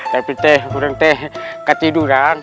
tapi teh burung teh ketiduran